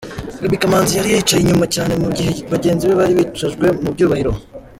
Gaby Kamanzi yari yicaye inyuma cyane mu gihe bagenzi be bari bicajwe mu byubahiro.